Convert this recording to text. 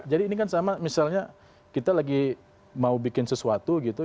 ini kan sama misalnya kita lagi mau bikin sesuatu gitu